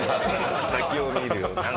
先を見るように。